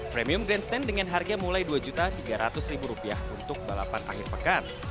premium grandstand dengan harga mulai rp dua tiga ratus untuk balapan akhir pekan